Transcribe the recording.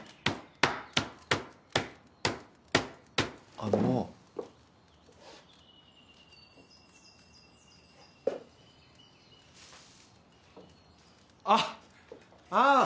あのあッああ